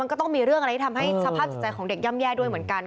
ก็ต้องมีเรื่องอะไรที่ทำให้สภาพจิตใจของเด็กย่ำแย่ด้วยเหมือนกัน